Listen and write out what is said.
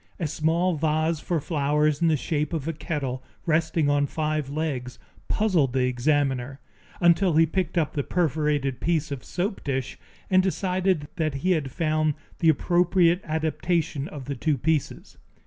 A small vase for flowers in the shape of a kettle resting on five legs puzzled the examiner, until he picked up the perforated piece of a soap dish, and decided that he had found the appropriate adaptation of the two pieces.